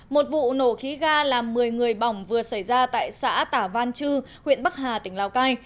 một vụ nổ khí ga làm một mươi người bỏng vừa xảy ra tại xã tả văn chư huyện bắc hà tỉnh lào cai